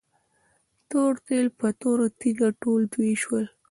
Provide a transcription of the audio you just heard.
تور تیل په توره تيږه ټول توي شول.